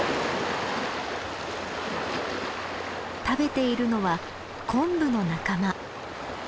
食べているのはコンブの仲間。